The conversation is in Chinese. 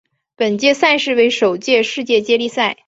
本届赛事为首届世界接力赛。